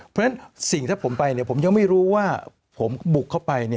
เพราะฉะนั้นสิ่งถ้าผมไปผมยังไม่รู้ว่าผมบุกเข้าไป